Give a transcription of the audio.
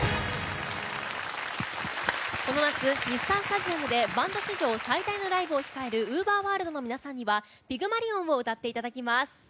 この夏、日産スタジアムでバンド史上最大のライブを控えるＵＶＥＲｗｏｒｌｄの皆さんには「ピグマリオン」を歌っていただきます。